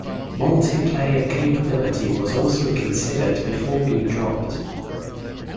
Multiplayer capability was also considered before being dropped.